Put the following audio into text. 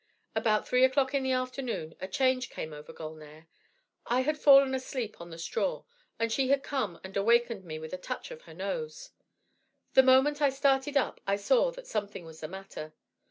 "About three o'clock in the afternoon a change came over Gulnare. I had fallen asleep upon the straw, and she had come and awakened me with a touch of her nose. The moment I started up I saw that something was the matter.